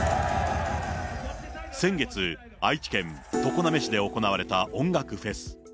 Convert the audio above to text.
先月、愛知県常滑市で行われた音楽フェス。